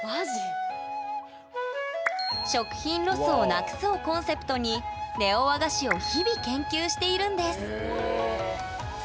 食品ロスをなくすをコンセプトにネオ和菓子を日々研究しているんですへえ。